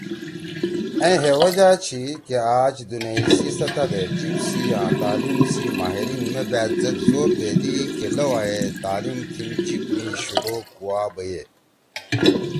اَئں ہے وجہ چھی کہ آج دُونیئی سی سطح دے جیِب سی آں تعلیم سی ماہرین مے بأت زید زور دیدی کہ لؤا ئے تعلیم تھیِن جیِب می شروع کوا بَیے۔